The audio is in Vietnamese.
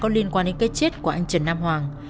có liên quan đến cái chết của anh trần nam hoàng